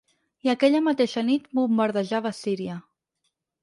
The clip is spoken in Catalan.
I aquella mateixa nit bombardejava Síria.